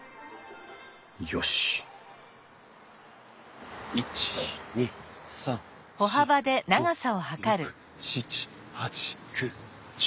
よし１２３４５６７８９１０。